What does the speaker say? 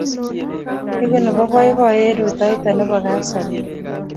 Egu nepo poipoyet rutoitonyo nepo Kapsabet